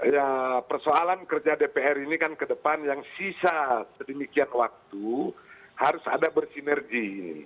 ya persoalan kerja dpr ini kan ke depan yang sisa sedemikian waktu harus ada bersinergi